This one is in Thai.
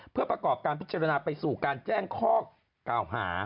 เพื่อประกอบการพิจารณาไปสู่การแจ้งข้อกล่าวหา